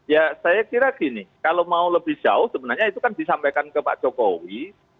ya saya kira gini kalau mau lebih jauh sebenarnya itu kan disampaikan ke pak jokowi